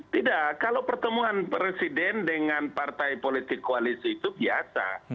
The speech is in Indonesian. tidak kalau pertemuan presiden dengan partai politik koalisi itu biasa